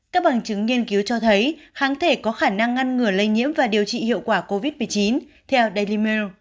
các bằng chứng nghiên cứu cho thấy kháng thể có khả năng ngăn ngừa lây nhiễm và điều trị hiệu quả covid một mươi chín theo dalimer